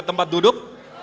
ke tempat duduk